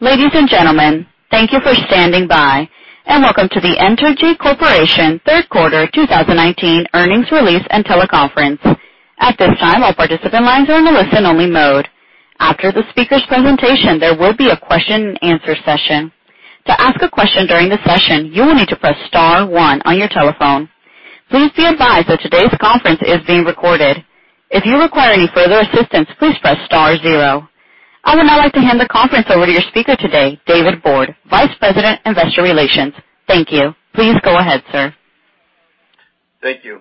Ladies and gentlemen, thank you for standing by. Welcome to the Entergy Corporation third quarter 2019 earnings release and teleconference. At this time, all participant lines are in a listen-only mode. After the speaker's presentation, there will be a question and answer session. To ask a question during the session, you will need to press star one on your telephone. Please be advised that today's conference is being recorded. If you require any further assistance, please press star zero. I would now like to hand the conference over to your speaker today, David Borde, Vice President Investor Relations. Thank you. Please go ahead, sir. Thank you.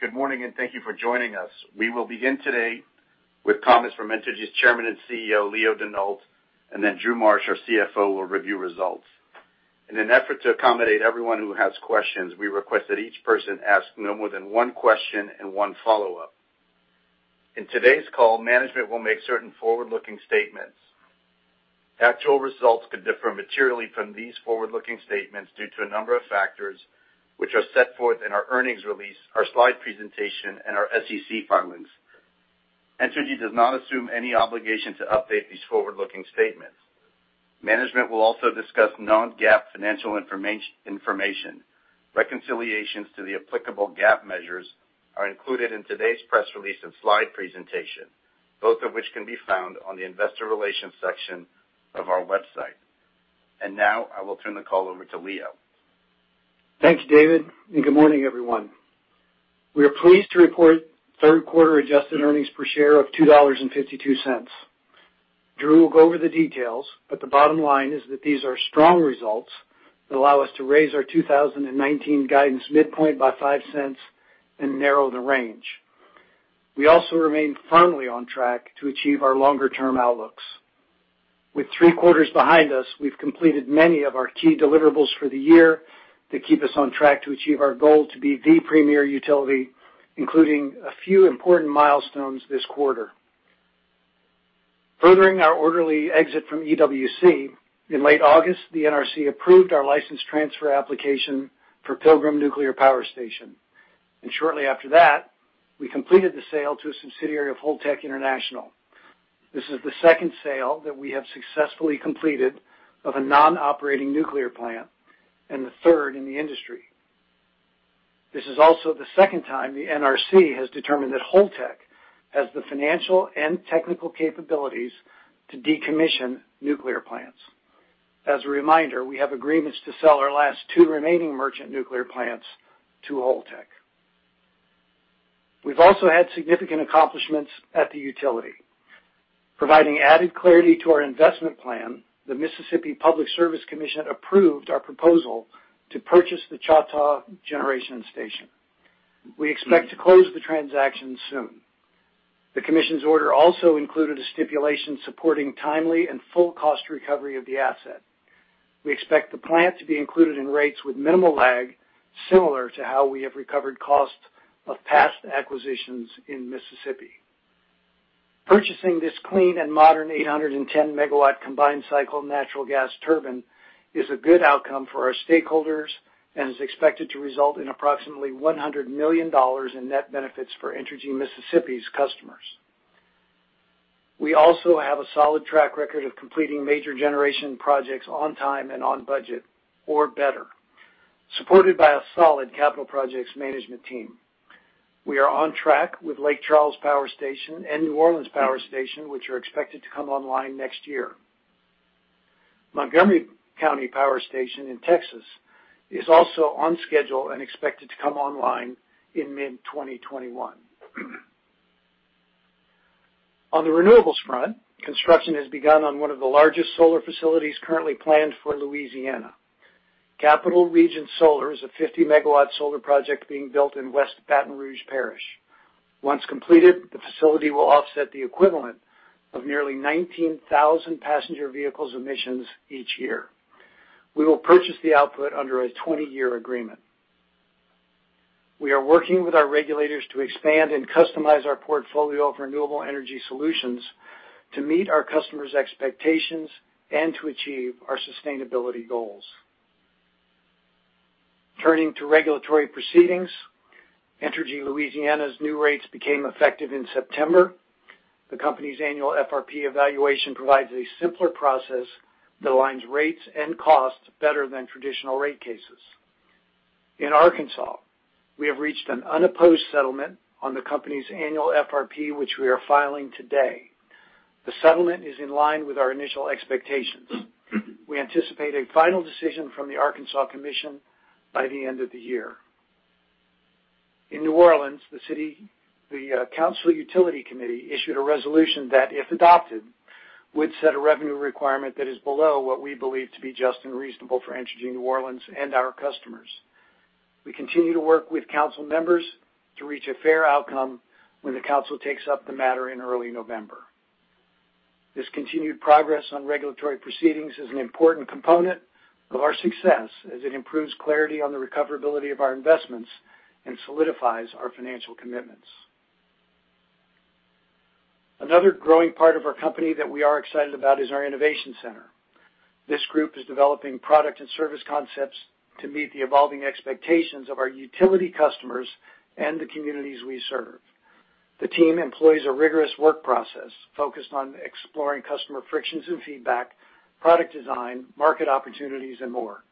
Good morning, and thank you for joining us. We will begin today with comments from Entergy's Chairman and CEO, Leo Denault, and then Drew Marsh, our CFO, will review results. In an effort to accommodate everyone who has questions, we request that each person ask no more than one question and one follow-up. In today's call, management will make certain forward-looking statements. Actual results could differ materially from these forward-looking statements due to a number of factors which are set forth in our earnings release, our slide presentation, and our SEC filings. Entergy does not assume any obligation to update these forward-looking statements. Management will also discuss non-GAAP financial information. Reconciliations to the applicable GAAP measures are included in today's press release and slide presentation, both of which can be found on the investor relations section of our website. Now, I will turn the call over to Leo. Thanks, David Borde, and good morning, everyone. We are pleased to report third quarter adjusted earnings per share of $2.52. Drew will go over the details, but the bottom line is that these are strong results that allow us to raise our 2019 guidance midpoint by $0.05 and narrow the range. We also remain firmly on track to achieve our longer-term outlooks. With three quarters behind us, we've completed many of our key deliverables for the year to keep us on track to achieve our goal to be the premier utility, including a few important milestones this quarter. Furthering our orderly exit from EWC, in late August, the NRC approved our license transfer application for Pilgrim Nuclear Power Station. Shortly after that, we completed the sale to a subsidiary of Holtec International. This is the second sale that we have successfully completed of a non-operating nuclear plant, and the third in the industry. This is also the second time the NRC has determined that Holtec has the financial and technical capabilities to decommission nuclear plants. As a reminder, we have agreements to sell our last two remaining merchant nuclear plants to Holtec. We've also had significant accomplishments at the utility. Providing added clarity to our investment plan, the Mississippi Public Service Commission approved our proposal to purchase the Choctaw Generation Station. We expect to close the transaction soon. The commission's order also included a stipulation supporting timely and full cost recovery of the asset. We expect the plant to be included in rates with minimal lag, similar to how we have recovered cost of past acquisitions in Mississippi. Purchasing this clean and modern 810-megawatt combined-cycle natural gas turbine is a good outcome for our stakeholders and is expected to result in approximately $100 million in net benefits for Entergy Mississippi's customers. We also have a solid track record of completing major generation projects on time and on budget or better, supported by a solid capital projects management team. We are on track with Lake Charles Power Station and New Orleans Power Station, which are expected to come online next year. Montgomery County Power Station in Texas is also on schedule and expected to come online in mid-2021. On the renewables front, construction has begun on one of the largest solar facilities currently planned for Louisiana. Capital Region Solar is a 50-megawatt solar project being built in West Baton Rouge Parish. Once completed, the facility will offset the equivalent of nearly 19,000 passenger vehicles' emissions each year. We will purchase the output under a 20-year agreement. We are working with our regulators to expand and customize our portfolio of renewable energy solutions to meet our customers' expectations and to achieve our sustainability goals. Turning to regulatory proceedings, Entergy Louisiana's new rates became effective in September. The company's annual FRP evaluation provides a simpler process that aligns rates and costs better than traditional rate cases. In Arkansas, we have reached an unopposed settlement on the company's annual FRP, which we are filing today. The settlement is in line with our initial expectations. We anticipate a final decision from the Arkansas Commission by the end of the year. In New Orleans, the Council Utility Committee issued a resolution that, if adopted, would set a revenue requirement that is below what we believe to be just and reasonable for Entergy New Orleans and our customers. We continue to work with council members to reach a fair outcome when the council takes up the matter in early November. This continued progress on regulatory proceedings is an important component of our success as it improves clarity on the recoverability of our investments and solidifies our financial commitments. Another growing part of our company that we are excited about is our innovation center. This group is developing product and service concepts to meet the evolving expectations of our utility customers and the communities we serve. The team employs a rigorous work process focused on exploring customer frictions and feedback, product design, market opportunities, and more.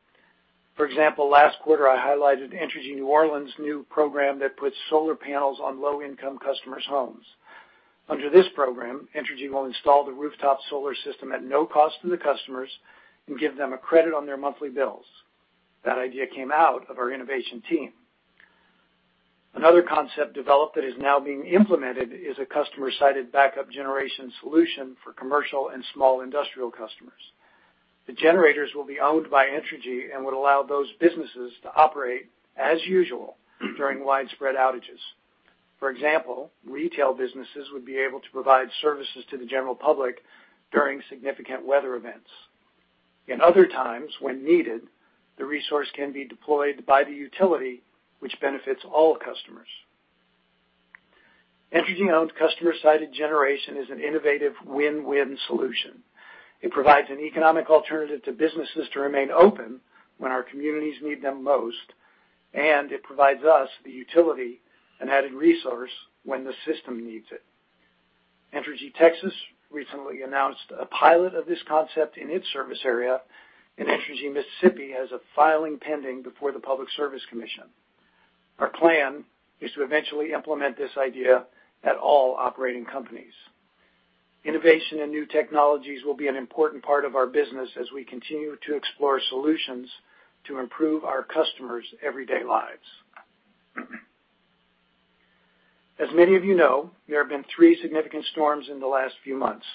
For example, last quarter I highlighted Entergy New Orleans' new program that puts solar panels on low-income customers' homes. Under this program, Entergy will install the rooftop solar system at no cost to the customers and give them a credit on their monthly bills. That idea came out of our innovation team. Another concept developed that is now being implemented is a customer-sited backup generation solution for commercial and small industrial customers. The generators will be owned by Entergy and would allow those businesses to operate as usual during widespread outages. For example, retail businesses would be able to provide services to the general public during significant weather events. In other times, when needed, the resource can be deployed by the utility, which benefits all customers. Entergy-owned customer-sited generation is an innovative win-win solution. It provides an economic alternative to businesses to remain open when our communities need them most, and it provides us, the utility, an added resource when the system needs it. Entergy Texas recently announced a pilot of this concept in its service area, and Entergy Mississippi has a filing pending before the Public Service Commission. Our plan is to eventually implement this idea at all operating companies. Innovation and new technologies will be an important part of our business as we continue to explore solutions to improve our customers' everyday lives. As many of you know, there have been three significant storms in the last few months.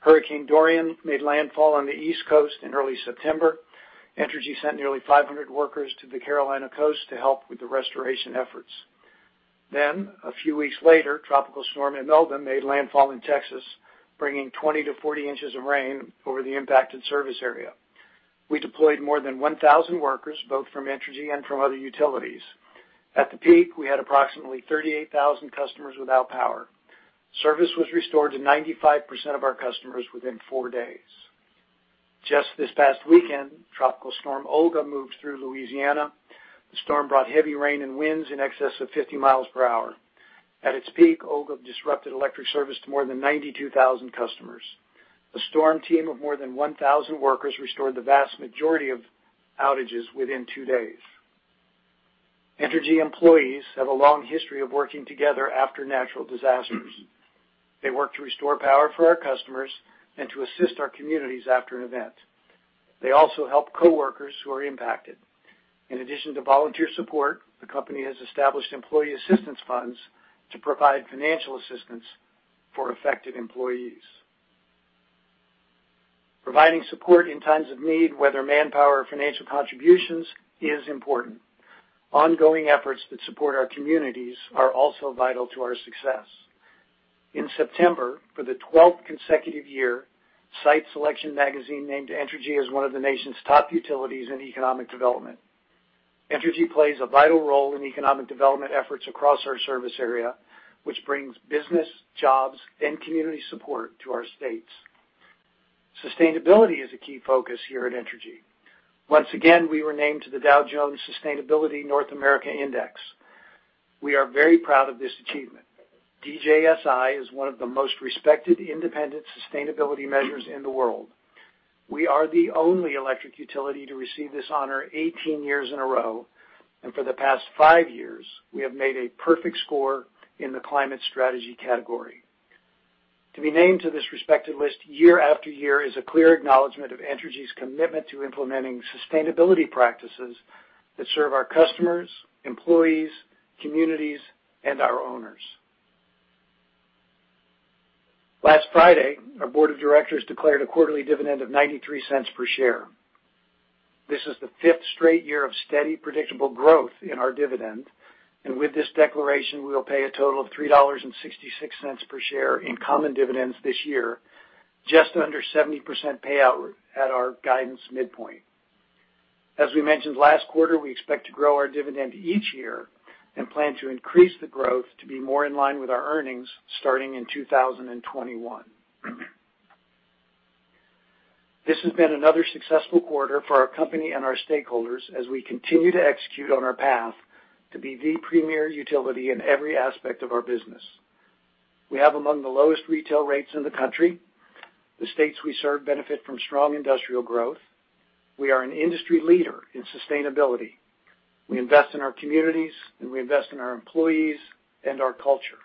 Hurricane Dorian made landfall on the East Coast in early September. Entergy sent nearly 500 workers to the Carolina coast to help with the restoration efforts. A few weeks later, Tropical Storm Imelda made landfall in Texas, bringing 20-40 inches of rain over the impacted service area. We deployed more than 1,000 workers, both from Entergy and from other utilities. At the peak, we had approximately 38,000 customers without power. Service was restored to 95% of our customers within four days. Just this past weekend, Tropical Storm Olga moved through Louisiana. The storm brought heavy rain and winds in excess of 50 mi per hour. At its peak, Olga disrupted electric service to more than 92,000 customers. A storm team of more than 1,000 workers restored the vast majority of outages within two days. Entergy employees have a long history of working together after natural disasters. They work to restore power for our customers and to assist our communities after an event. They also help coworkers who are impacted. In addition to volunteer support, the company has established employee assistance funds to provide financial assistance for affected employees. Providing support in times of need, whether manpower or financial contributions, is important. Ongoing efforts that support our communities are also vital to our success. In September, for the 12th consecutive year, Site Selection Magazine named Entergy as one of the nation's top utilities in economic development. Entergy plays a vital role in economic development efforts across our service area, which brings business, jobs, and community support to our states. Sustainability is a key focus here at Entergy. Once again, we were named to the Dow Jones Sustainability North America Index. We are very proud of this achievement. DJSI is one of the most respected independent sustainability measures in the world. We are the only electric utility to receive this honor 18 years in a row. For the past five years, we have made a perfect score in the climate strategy category. To be named to this respected list year after year is a clear acknowledgment of Entergy's commitment to implementing sustainability practices that serve our customers, employees, communities, and our owners. Last Friday, our board of directors declared a quarterly dividend of $0.93 per share. This is the fifth straight year of steady, predictable growth in our dividend. With this declaration, we will pay a total of $3.66 per share in common dividends this year, just under 70% payout at our guidance midpoint. As we mentioned last quarter, we expect to grow our dividend each year and plan to increase the growth to be more in line with our earnings starting in 2021. This has been another successful quarter for our company and our stakeholders as we continue to execute on our path to be the premier utility in every aspect of our business. We have among the lowest retail rates in the country. The states we serve benefit from strong industrial growth. We are an industry leader in sustainability. We invest in our communities, and we invest in our employees and our culture.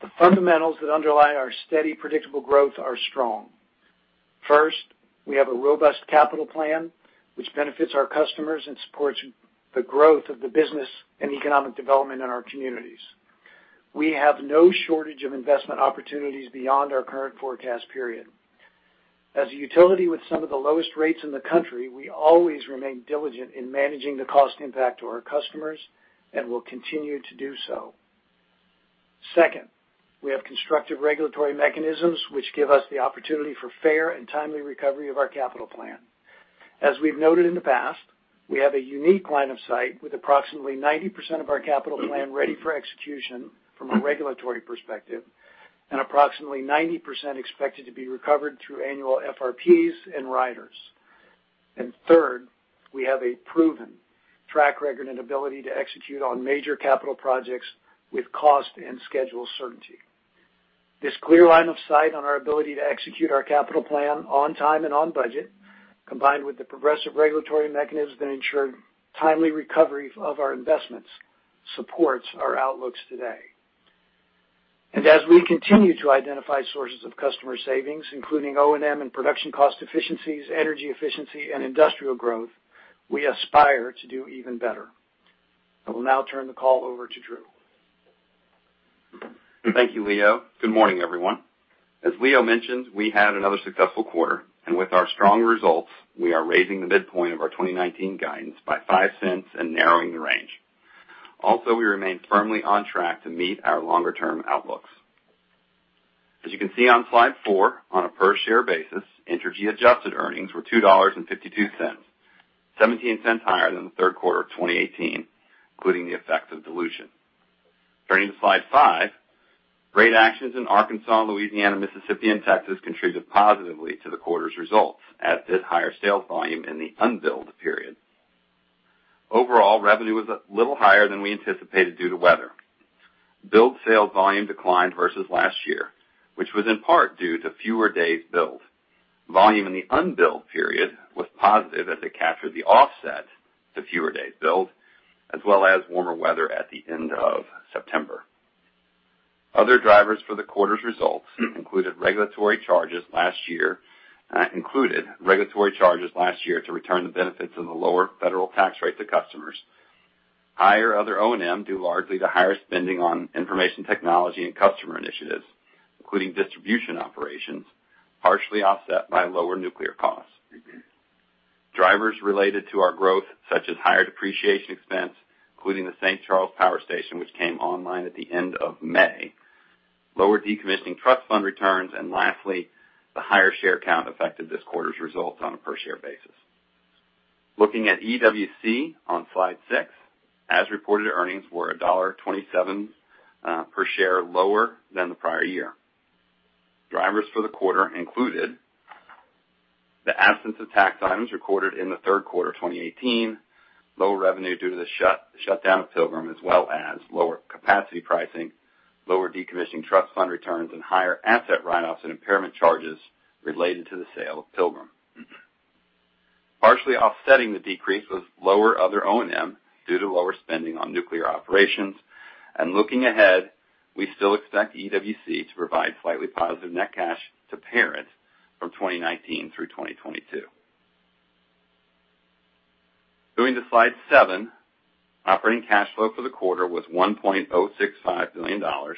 The fundamentals that underlie our steady, predictable growth are strong. First, we have a robust capital plan, which benefits our customers and supports the growth of the business and economic development in our communities. We have no shortage of investment opportunities beyond our current forecast period. As a utility with some of the lowest rates in the country, we always remain diligent in managing the cost impact to our customers and will continue to do so. Second, we have constructive regulatory mechanisms which give us the opportunity for fair and timely recovery of our capital plan. As we've noted in the past, we have a unique line of sight with approximately 90% of our capital plan ready for execution from a regulatory perspective, and approximately 90% expected to be recovered through annual FRPs and riders. Third, we have a proven track record and ability to execute on major capital projects with cost and schedule certainty. This clear line of sight on our ability to execute our capital plan on time and on budget, combined with the progressive regulatory mechanisms that ensure timely recovery of our investments, supports our outlooks today. As we continue to identify sources of customer savings, including O&M and production cost efficiencies, energy efficiency, and industrial growth, we aspire to do even better. I will now turn the call over to Drew. Thank you, Leo. Good morning, everyone. As Leo mentioned, we had another successful quarter. With our strong results, we are raising the midpoint of our 2019 guidance by $0.05 and narrowing the range. We remain firmly on track to meet our longer-term outlooks. As you can see on slide four, on a per-share basis, Entergy adjusted earnings were $2.52, $0.17 higher than the third quarter of 2018, including the effects of dilution. Turning to slide five, rate actions in Arkansas, Louisiana, Mississippi, and Texas contributed positively to the quarter's results as did higher sales volume in the unbilled period. Revenue was a little higher than we anticipated due to weather. Billed sales volume declined versus last year, which was in part due to fewer days billed. Volume in the unbilled period was positive as it captured the offset to fewer days billed, as well as warmer weather at the end of September. Other drivers for the quarter's results included regulatory charges last year to return the benefits of the lower federal tax rate to customers. Higher other O&M due largely to higher spending on information technology and customer initiatives, including distribution operations, partially offset by lower nuclear costs. Drivers related to our growth, such as higher depreciation expense, including the St. Charles Power Station, which came online at the end of May, lower decommissioning trust fund returns, and lastly, the higher share count affected this quarter's results on a per-share basis. Looking at EWC on slide six, as-reported earnings were $1.27 per share lower than the prior year. Drivers for the quarter included the absence of tax items recorded in the third quarter of 2018, low revenue due to the shutdown of Pilgrim, as well as lower capacity pricing, lower decommissioning trust fund returns, and higher asset write-offs and impairment charges related to the sale of Pilgrim. Partially offsetting the decrease was lower other O&M due to lower spending on nuclear operations. Looking ahead, we still expect EWC to provide slightly positive net cash to parent from 2019 through 2022. Going to slide seven, operating cash flow for the quarter was $1.065 billion, a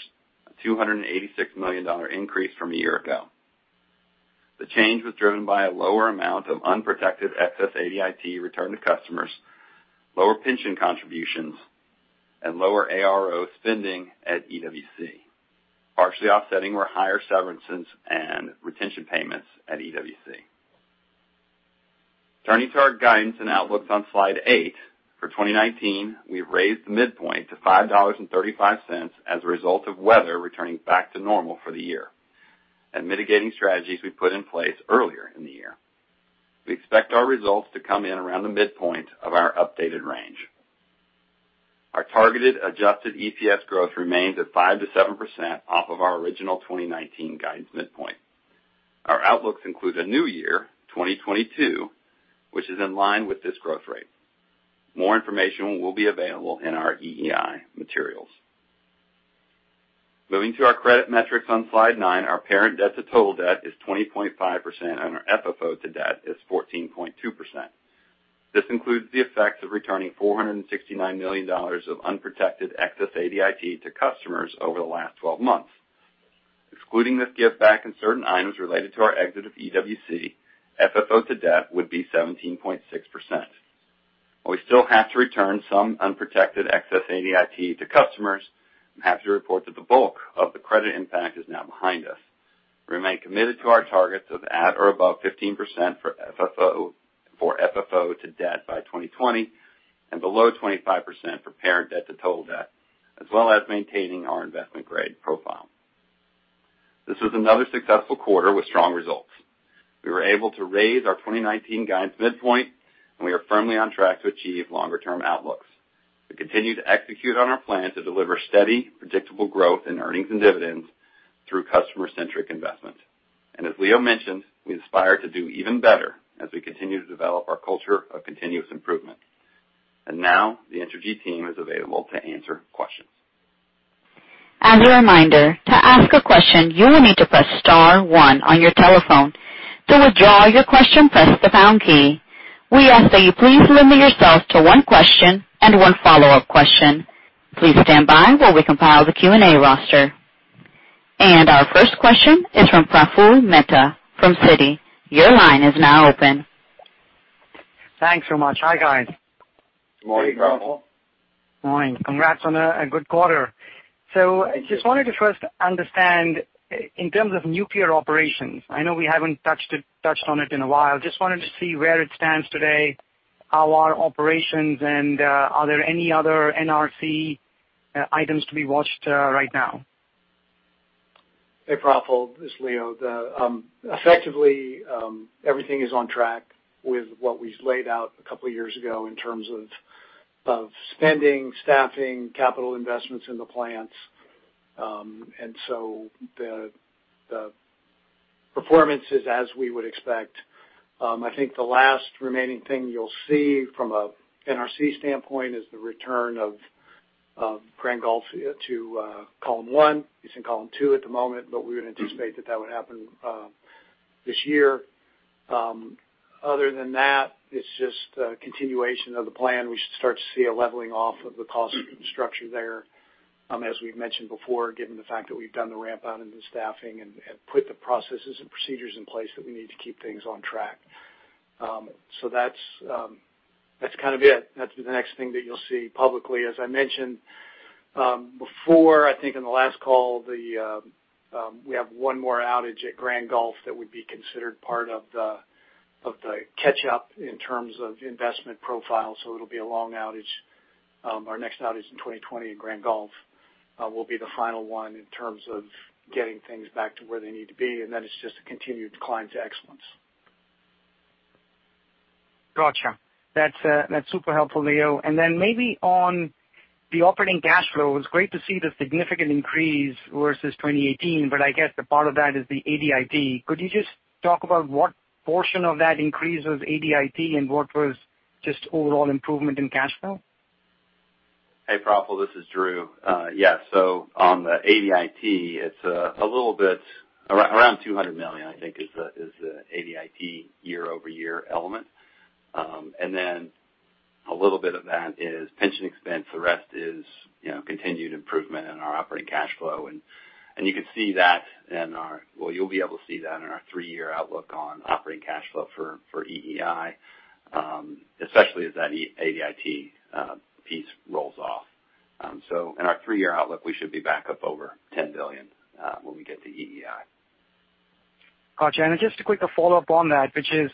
$286 million increase from a year ago. The change was driven by a lower amount of unprotected excess ADIT returned to customers, lower pension contributions, and lower ARO spending at EWC. Partially offsetting were higher severances and retention payments at EWC. Turning to our guidance and outlooks on slide eight. For 2019, we have raised the midpoint to $5.35 as a result of weather returning back to normal for the year and mitigating strategies we put in place earlier in the year. We expect our results to come in around the midpoint of our updated range. Our targeted adjusted EPS growth remains at 5%-7% off of our original 2019 guidance midpoint. Our outlooks include a new year, 2022, which is in line with this growth rate. More information will be available in our EEI materials. Moving to our credit metrics on slide nine. Our parent debt to total debt is 20.5% and our FFO to debt is 14.2%. This includes the effects of returning $469 million of unprotected excess ADIT to customers over the last 12 months. Excluding this give back and certain items related to our exit of EWC, FFO to debt would be 17.6%. While we still have to return some unprotected excess ADIT to customers, I'm happy to report that the bulk of the credit impact is now behind us. We remain committed to our targets of at or above 15% for FFO to debt by 2020 and below 25% for parent debt to total debt, as well as maintaining our investment-grade profile. This was another successful quarter with strong results. We were able to raise our 2019 guidance midpoint, and we are firmly on track to achieve longer-term outlooks. We continue to execute on our plan to deliver steady, predictable growth in earnings and dividends through customer-centric investment. As Leo mentioned, we aspire to do even better as we continue to develop our culture of continuous improvement. Now the Entergy team is available to answer questions. As a reminder, to ask a question, you will need to press star one on your telephone. To withdraw your question, press the pound key. We ask that you please limit yourselves to one question and one follow-up question. Please stand by while we compile the Q&A roster. Our first question is from Praful Mehta from Citi. Your line is now open. Thanks so much. Hi, guys. Good morning, Praful. Morning. Congrats on a good quarter. I just wanted to first understand in terms of nuclear operations, I know we haven't touched on it in a while. Just wanted to see where it stands today, how are operations, and are there any other NRC items to be watched right now? Hey, Praful, this is Leo. Effectively, everything is on track with what we laid out a couple of years ago in terms of spending, staffing, capital investments in the plants. The performance is as we would expect. I think the last remaining thing you'll see from a NRC standpoint is the return of Grand Gulf to column one. It's in column two at the moment, we would anticipate that would happen this year. Other than that, it's just a continuation of the plan. We should start to see a leveling off of the cost structure there. As we've mentioned before, given the fact that we've done the ramp-out and the staffing and put the processes and procedures in place that we need to keep things on track. That's it. That's the next thing that you'll see publicly. As I mentioned before, I think on the last call, we have one more outage at Grand Gulf that would be considered part of the catch-up in terms of investment profile, so it'll be a long outage. Our next outage in 2020 in Grand Gulf will be the final one in terms of getting things back to where they need to be, and then it's just a continued climb to excellence. Got you. That's super helpful, Leo. Then maybe on the operating cash flow, it's great to see the significant increase versus 2018, but I guess the part of that is the ADIT. Could you just talk about what portion of that increase was ADIT and what was just overall improvement in cash flow? Hey, Praful, this is Drew. Yeah. On the ADIT, it's a little bit around $200 million I think is the ADIT year-over-year element. A little bit of that is pension expense. The rest is continued improvement in our operating cash flow. You can see that in our three-year outlook on operating cash flow for EEI, especially as that ADIT piece rolls off. In our three-year outlook, we should be back up over $10 billion when we get to EEI. Got you. Just a quick follow-up on that, which is,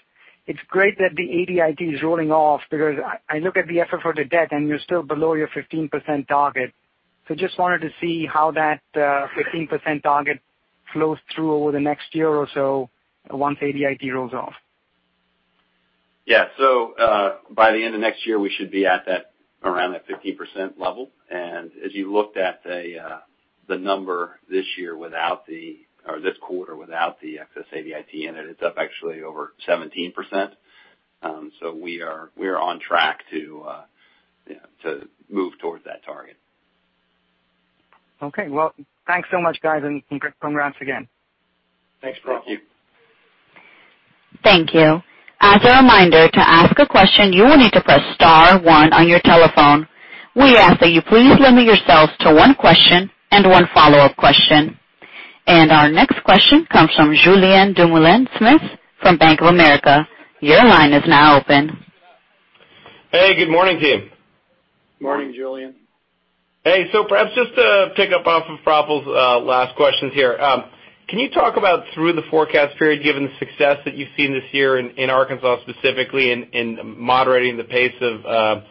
it's great that the ADIT is rolling off because I look at the FFO to debt and you're still below your 15% target. Just wanted to see how that 15% target flows through over the next year or so once ADIT rolls off. Yeah. By the end of next year, we should be at around that 15% level. As you looked at the number this quarter without the excess ADIT in it's up actually over 17%. We are on track to move towards that target. Okay. Well, thanks so much, guys, and congrats again. Thanks, Praful. Thank you. As a reminder, to ask a question, you will need to press star one on your telephone. We ask that you please limit yourselves to one question and one follow-up question. Our next question comes from Julien Dumoulin-Smith from Bank of America. Your line is now open. Hey, good morning, team. Morning, Julien. Hey. Perhaps just to pick up off of Praful's last questions here. Can you talk about through the forecast period, given the success that you've seen this year in Arkansas, specifically in moderating the pace of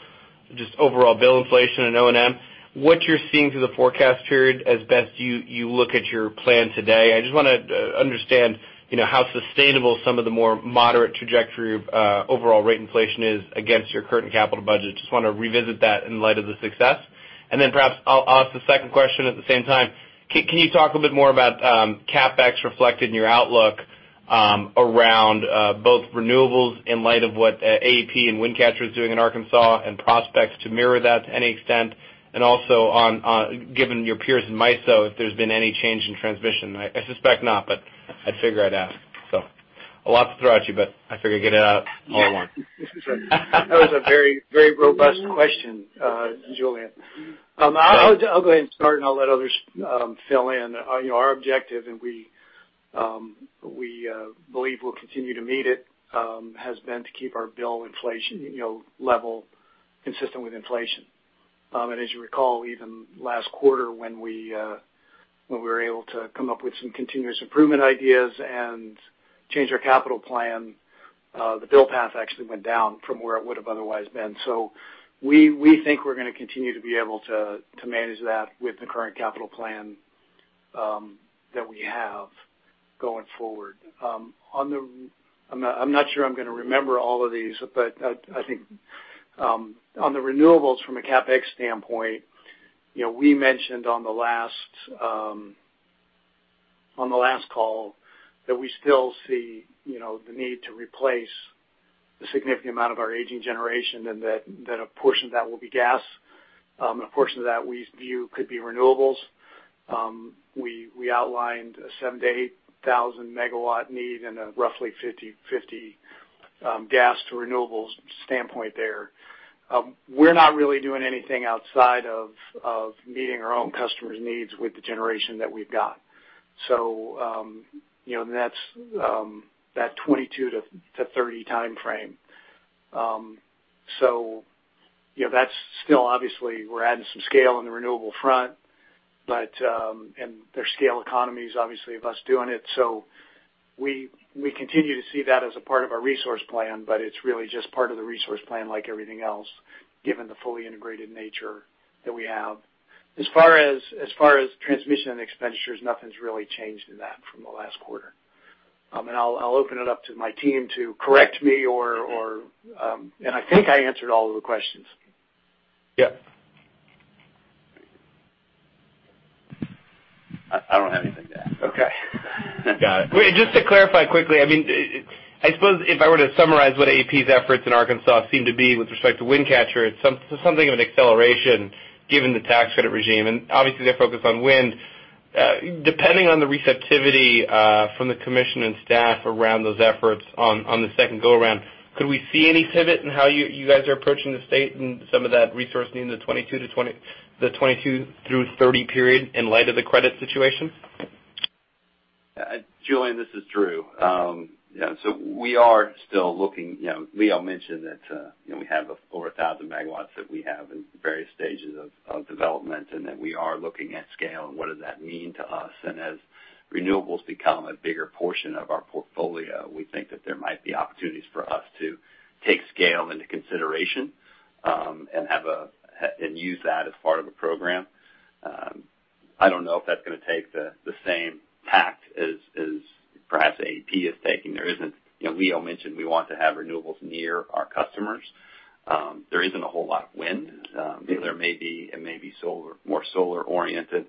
just overall bill inflation and O&M, what you're seeing through the forecast period as best you look at your plan today? I just want to understand how sustainable some of the more moderate trajectory of overall rate inflation is against your current capital budget. Just want to revisit that in light of the success. Then perhaps I'll ask the second question at the same time. Can you talk a little bit more about CapEx reflected in your outlook around both renewables in light of what AEP and Wind Catcher is doing in Arkansas and prospects to mirror that to any extent? Also given your peers in MISO, if there's been any change in transmission? I suspect not, but I figure I'd ask. A lot to throw at you, but I figured I'd get it out all at once. That was a very robust question, Julien. I'll go ahead and start, and I'll let others fill in. Our objective, and we believe we'll continue to meet it, has been to keep our bill inflation level consistent with inflation. As you recall, even last quarter when we were able to come up with some continuous improvement ideas and change our capital plan, the bill path actually went down from where it would have otherwise been. We think we're going to continue to be able to manage that with the current capital plan that we have going forward. I'm not sure I'm going to remember all of these, but I think on the renewables from a CapEx standpoint, we mentioned on the last call that we still see the need to replace a significant amount of our aging generation and that a portion of that will be gas. A portion of that we view could be renewables. We outlined a 7,000 MW-8,000 MW need and a roughly 50/50 gas to renewables standpoint there. We're not really doing anything outside of meeting our own customers' needs with the generation that we've got. That's 22 to 30 timeframe. Obviously we're adding some scale in the renewable front, and there's scale economies obviously of us doing it. We continue to see that as a part of our resource plan, but it's really just part of the resource plan like everything else, given the fully integrated nature that we have. As far as transmission and expenditures, nothing's really changed in that from the last quarter. I'll open it up to my team to correct me or I think I answered all of the questions. Yep. I don't have anything to add. Okay. Got it. Just to clarify quickly, I suppose if I were to summarize what AEP's efforts in Arkansas seem to be with respect to Wind Catcher, it's something of an acceleration given the tax credit regime, and obviously their focus on wind. Depending on the receptivity from the commission and staff around those efforts on the second go around, could we see any pivot in how you guys are approaching the state and some of that resourcing in the 2022 through 2030 period in light of the credit situation? Julien, this is Drew. We are still looking. Leo mentioned that we have over 1,000 MW that we have in various stages of development, we are looking at scale and what does that mean to us. As renewables become a bigger portion of our portfolio, we think that there might be opportunities for us to take scale into consideration, use that as part of a program. I don't know if that's going to take the same tact as perhaps AEP is taking. Leo mentioned we want to have renewables near our customers. There isn't a whole lot of wind. It may be more solar oriented.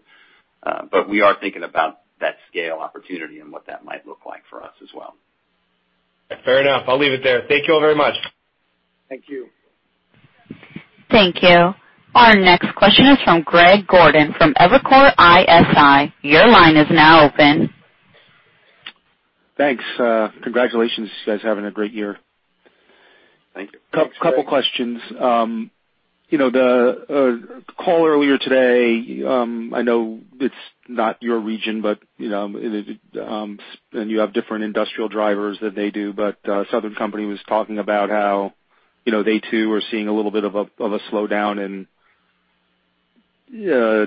We are thinking about that scale opportunity and what that might look like for us as well. Fair enough. I'll leave it there. Thank you all very much. Thank you. Thank you. Our next question is from Greg Gordon from Evercore ISI. Your line is now open. Thanks. Congratulations, you guys are having a great year. Thank you. Couple questions. The call earlier today, I know it's not your region, and you have different industrial drivers than they do, but Southern Company was talking about how they too are seeing a little bit of a slowdown in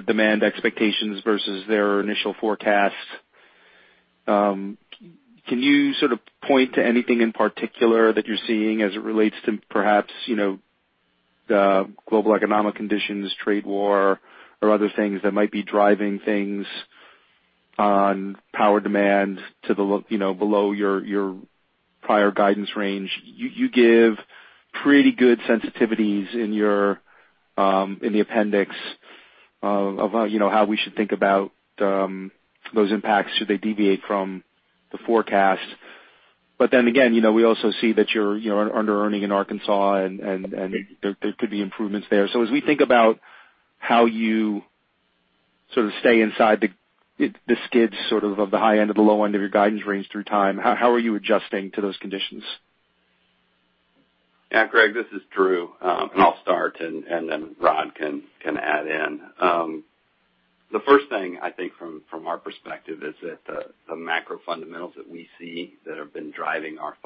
demand expectations versus their initial forecast. Can you sort of point to anything in particular that you're seeing as it relates to perhaps, the global economic conditions, trade war, or other things that might be driving things on power demand to below your prior guidance range? You give pretty good sensitivities in the appendix of how we should think about those impacts should they deviate from the forecast. We also see that you're under-earning in Arkansas and there could be improvements there. As we think about how you sort of stay inside the skids sort of the high end or the low end of your guidance range through time, how are you adjusting to those conditions? Yeah. Greg, this is Drew. I'll start and then Rod can add in. The first thing I think from our perspective is that the macro fundamentals that we see that have been driving our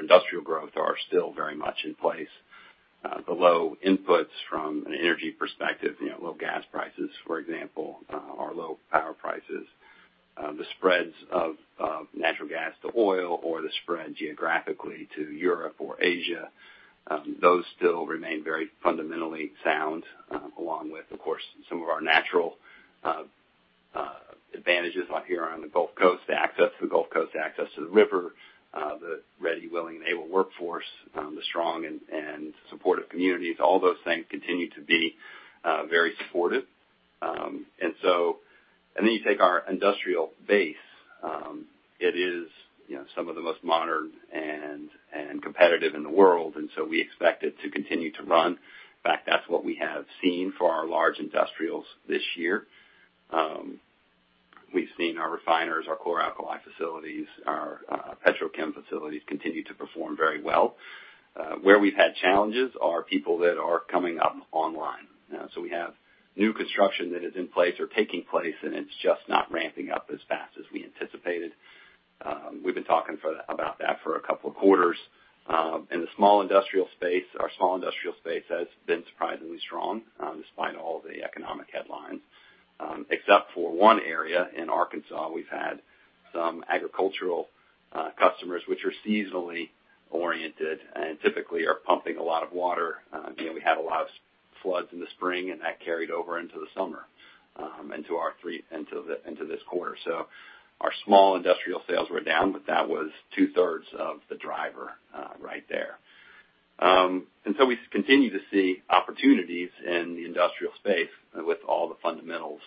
industrial growth are still very much in place. The low inputs from an energy perspective, low gas prices, for example, or low power prices. The spreads of natural gas to oil or the spread geographically to Europe or Asia, those still remain very fundamentally sound. Along with, of course, some of our natural advantages here on the Gulf Coast, the access to the Gulf Coast, the access to the river, the ready, willing, and able workforce, the strong and supportive communities, all those things continue to be very supportive. Then you take our industrial base. It is some of the most modern and competitive in the world. We expect it to continue to run. In fact, that's what we have seen for our large industrials this year. We've seen our refiners, our chlor-alkali facilities, our petrochem facilities continue to perform very well. Where we've had challenges are people that are coming up online. We have new construction that is in place or taking place, and it's just not ramping up as fast as we anticipated. We've been talking about that for a couple of quarters. In the small industrial space, our small industrial space has been surprisingly strong, despite all the economic headlines. Except for one area in Arkansas, we've had some agricultural customers which are seasonally oriented and typically are pumping a lot of water. We had a lot of floods in the spring, and that carried over into the summer, into this quarter. Our small industrial sales were down, but that was 2/3 of the driver right there. We continue to see opportunities in the industrial space with all the fundamentals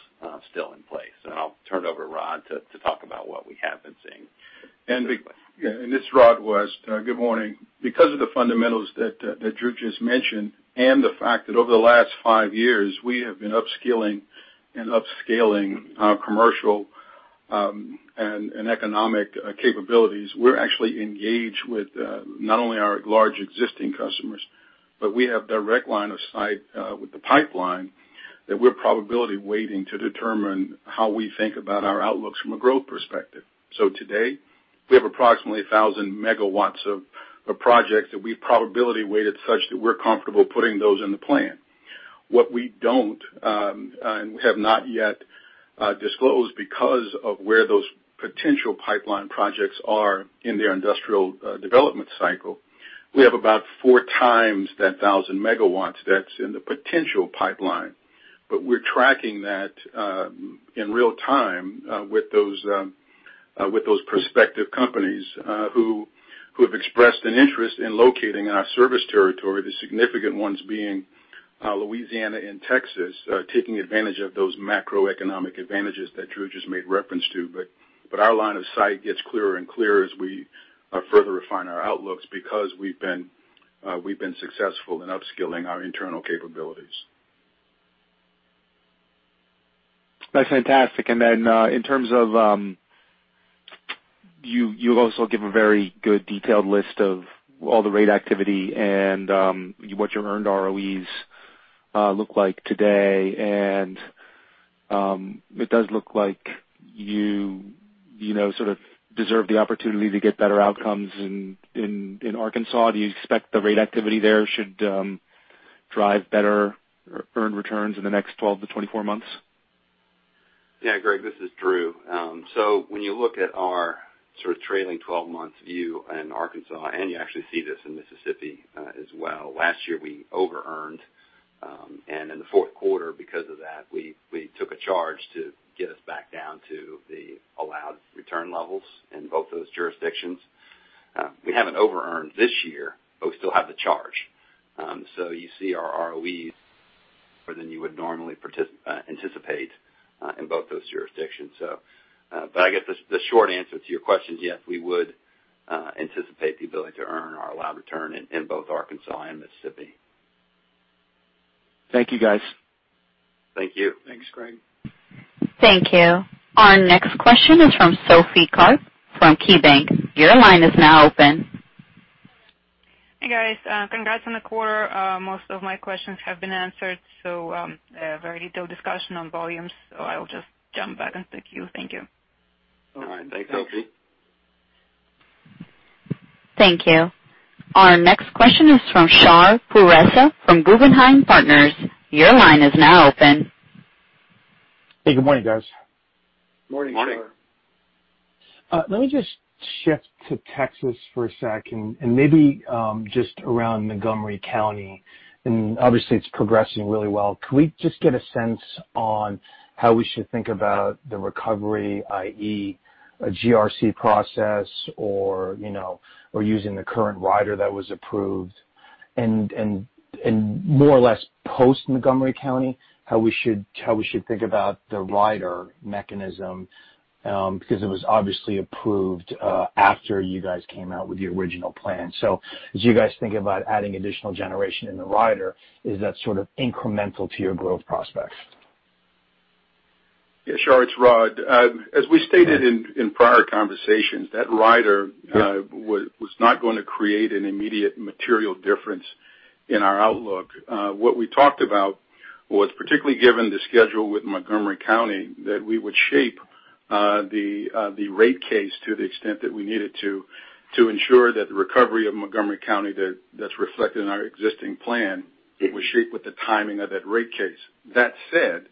still in place. I'll turn it over to Rod to talk about what we have been seeing. This is Rod West. Good morning. Because of the fundamentals that Drew just mentioned and the fact that over the last five years, we have been upskilling and upscaling our commercial and economic capabilities. We're actually engaged with not only our large existing customers, but we have direct line of sight with the pipeline that we're probability weighting to determine how we think about our outlooks from a growth perspective. Today, we have approximately 1,000 megawatts of projects that we've probability weighted such that we're comfortable putting those in the plan. What we don't, we have not yet disclosed because of where those potential pipeline projects are in their industrial development cycle. We have about four times that 1,000 MW that's in the potential pipeline. We're tracking that in real time with those prospective companies who have expressed an interest in locating in our service territory, the significant ones being Louisiana and Texas, taking advantage of those macroeconomic advantages that Drew just made reference to. Our line of sight gets clearer and clearer as we further refine our outlooks because we've been successful in upskilling our internal capabilities. That's fantastic. In terms of, you also give a very good detailed list of all the rate activity and what your earned ROEs look like today, and it does look like you sort of deserve the opportunity to get better outcomes in Arkansas. Do you expect the rate activity there should drive better earned returns in the next 12 to 24 months? Yeah, Greg, this is Drew. When you look at our sort of trailing 12 months view in Arkansas, and you actually see this in Mississippi as well. Last year, we overearned, and in the fourth quarter, because of that, we took a charge to get us back down to the allowed return levels in both those jurisdictions. We haven't overearned this year, we still have the charge. You see our ROEs more than you would normally anticipate in both those jurisdictions. I guess the short answer to your question is, yes, we would anticipate the ability to earn our allowed return in both Arkansas and Mississippi. Thank you, guys. Thank you. Thanks, Greg. Thank you. Our next question is from Sophie Karp from KeyBanc. Your line is now open. Hey, guys. Congrats on the quarter. Most of my questions have been answered, very little discussion on volumes. I will just jump back in the queue. Thank you. All right. Thanks, Sophie. Thank you. Our next question is from Shar Pourreza from Guggenheim Partners. Your line is now open. Hey, good morning, guys. Morning, Shar. Morning. Let me just shift to Texas for a second and maybe just around Montgomery County. Obviously, it's progressing really well. Could we just get a sense on how we should think about the recovery, i.e., a GRC process or using the current rider that was approved and more or less post Montgomery County, how we should think about the rider mechanism, because it was obviously approved after you guys came out with the original plan. As you guys think about adding additional generation in the rider, is that sort of incremental to your growth prospects? Yeah, Shar, it's Rod. As we stated in prior conversations, that rider was not going to create an immediate material difference in our outlook. What we talked about was particularly given the schedule with Montgomery County, that we would shape the rate case to the extent that we needed to ensure that the recovery of Montgomery County that's reflected in our existing plan was shaped with the timing of that rate case. That said,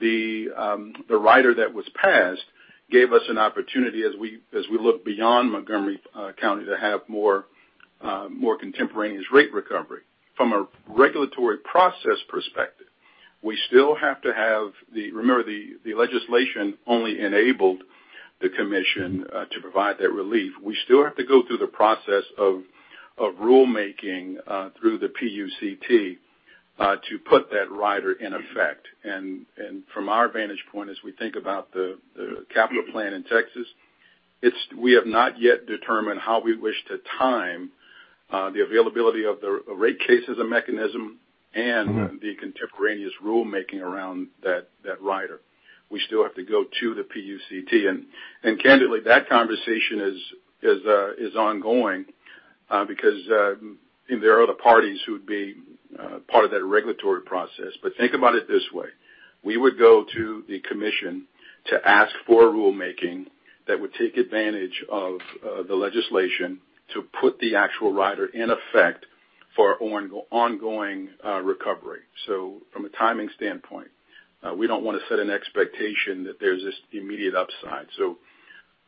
the rider that was passed gave us an opportunity as we look beyond Montgomery County to have more contemporaneous rate recovery. From a regulatory process perspective, we still have to have remember the legislation only enabled the commission to provide that relief. We still have to go through the process of rulemaking through the PUCT to put that rider in effect. From our vantage point, as we think about the capital plan in Texas, we have not yet determined how we wish to time the availability of the rate case as a mechanism and the contemporaneous rulemaking around that rider. We still have to go to the PUCT. Candidly, that conversation is ongoing because there are other parties who would be part of that regulatory process. Think about it this way. We would go to the commission to ask for rulemaking that would take advantage of the legislation to put the actual rider in effect for ongoing recovery. From a timing standpoint, we don't want to set an expectation that there's this immediate upside.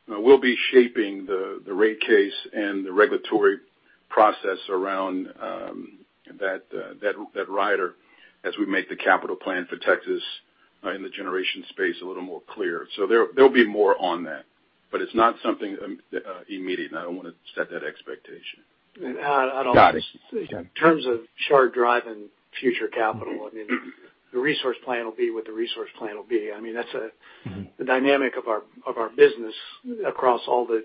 We'll be shaping the rate case and the regulatory process around that rider as we make the capital plan for Texas in the generation space a little more clear. There'll be more on that. It's not something immediate, and I don't want to set that expectation. Got it. Okay. In terms of Shar driving future capital, I mean, the resource plan will be what the resource plan will be. I mean, that's the dynamic of our business across all the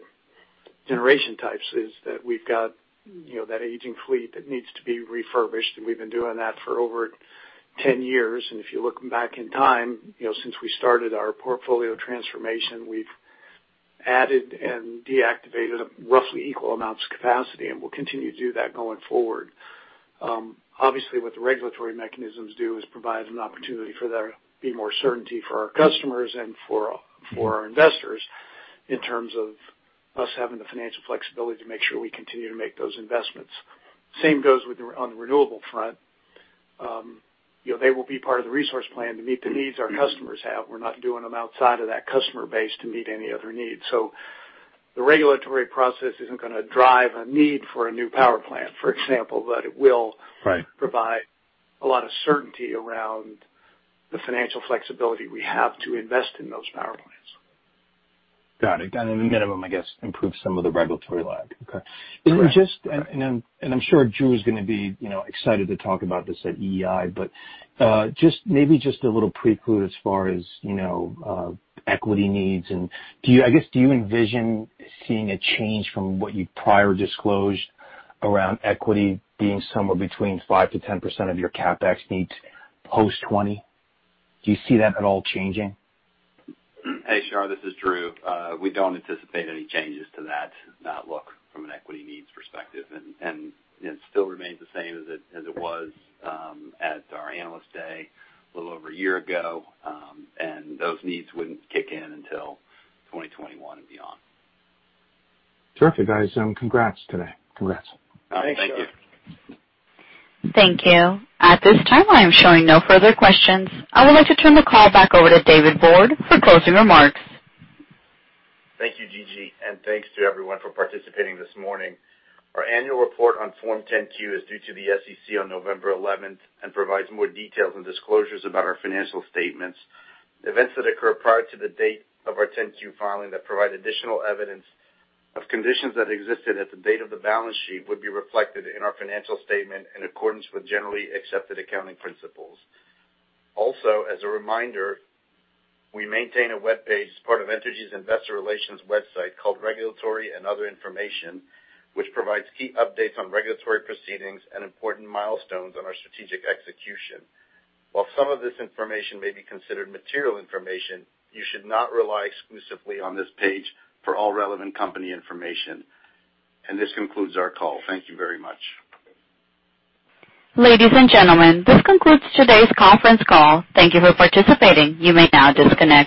generation types is that we've got that aging fleet that needs to be refurbished, and we've been doing that for over 10 years. If you look back in time, since we started our portfolio transformation, we've Added and deactivated roughly equal amounts of capacity, we'll continue to do that going forward. Obviously, what the regulatory mechanisms do is provide an opportunity for there to be more certainty for our customers and for our investors in terms of us having the financial flexibility to make sure we continue to make those investments. Same goes on the renewable front. They will be part of the resource plan to meet the needs our customers have. We're not doing them outside of that customer base to meet any other needs. The regulatory process isn't going to drive a need for a new power plant, for example, but it will. Right. Provide a lot of certainty around the financial flexibility we have to invest in those power plants. Got it. Get them, I guess, improve some of the regulatory lag. Okay. Correct. I'm sure Drew is going to be excited to talk about this at EEI, but maybe just a little prequel as far as equity needs. I guess, do you envision seeing a change from what you prior disclosed around equity being somewhere between 5%-10% of your CapEx needs post 2020? Do you see that at all changing? Hey, Shar, this is Drew. We don't anticipate any changes to that look from an equity needs perspective. It still remains the same as it was at our Analyst Day a little over a year ago. Those needs wouldn't kick in until 2021 and beyond. Terrific, guys. Congrats today. Congrats. Thanks, Shar. Thank you. Thank you. At this time, I am showing no further questions. I would like to turn the call back over to David Borde for closing remarks. Thank you, Gigi, and thanks to everyone for participating this morning. Our annual report on Form 10-Q is due to the SEC on November 11th and provides more details and disclosures about our financial statements. Events that occur prior to the date of our 10-Q filing that provide additional evidence of conditions that existed at the date of the balance sheet would be reflected in our financial statement in accordance with generally accepted accounting principles. As a reminder, we maintain a webpage as part of Entergy's investor relations website called Regulatory and Other Information, which provides key updates on regulatory proceedings and important milestones on our strategic execution. While some of this information may be considered material information, you should not rely exclusively on this page for all relevant company information. This concludes our call. Thank you very much. Ladies and gentlemen, this concludes today's conference call. Thank you for participating. You may now disconnect.